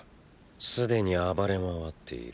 すでに暴れ回っている。